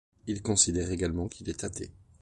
Il considère également qu'il est athée.